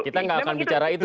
kita nggak akan bicara itu